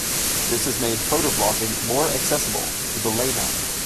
This has made photoblogging more accessible to the layman.